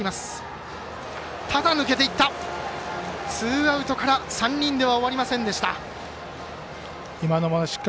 ツーアウトから３人では終わりませんでした。